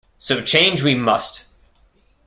So change we must!